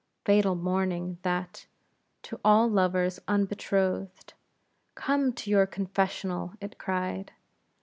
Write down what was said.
Fatal morning that, to all lovers unbetrothed; "Come to your confessional," it cried.